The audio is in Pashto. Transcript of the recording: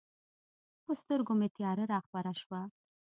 په سترګو مې تیاره راخوره شوه.